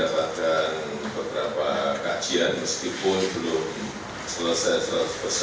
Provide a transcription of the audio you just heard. setelah ke lapangan dan mendapatkan beberapa kajian